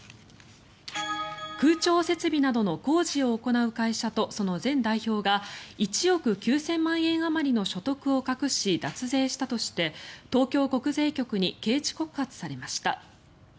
空調設備などの工事を行う会社とその前代表が１億９０００万円あまりの所得を隠し脱税したとして東京国税局に刑事告発されました。